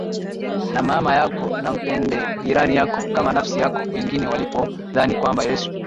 na mama yako na Mpende jirani yako kama nafsi yako Wengine walipodhani kwamba Yesu